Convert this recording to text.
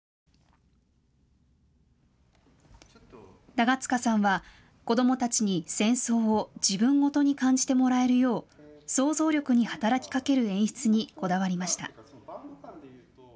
長塚さんは子どもたちに戦争を自分事に感じてもらえるよう想像力に働きかける演出にこだわりました。